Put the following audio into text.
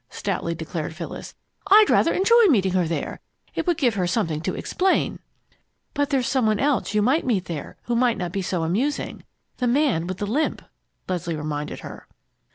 stoutly declared Phyllis. "I'd rather enjoy meeting her there. It would give her something to explain!" "But there's some one else you might meet there who might not be so amusing the man with the limp!" Leslie reminded her.